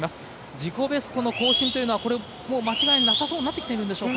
自己ベスト更新は間違いなさそうになってきているんでしょうか。